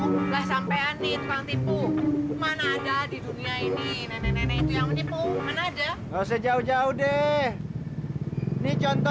karena itu pemikiran ada jenis putpa